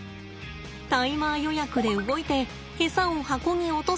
タイマー予約で動いてエサを箱に落とす。